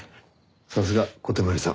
さすが小手鞠さん。